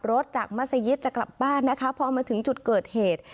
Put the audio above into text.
รถจากมัศยิตจะกลับบ้านนะคะพอมาถึงจุดเกิดเหตุ